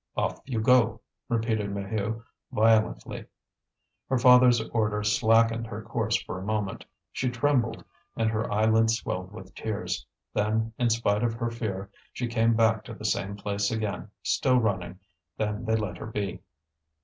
"Off you go!" repeated Maheu, violently. Her father's order slackened her course for a moment. She trembled, and her eyelids swelled with tears. Then, in spite of her fear, she came back to the same place again, still running. Then they let her be.